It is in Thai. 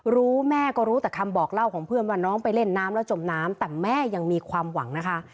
แม่ก็รู้แต่คำบอกเล่าของเพื่อนว่าน้องไปเล่นน้ำแล้วจมน้ำแต่แม่ยังมีความหวังนะคะ